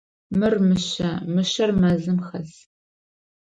Мыр мышъэ, мышъэр мэзым хэс.